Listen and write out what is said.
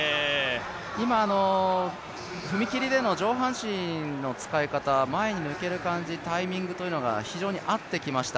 今、踏み切りでの上半身の使い方、前に抜ける感じタイミングというのが非常に合ってきました。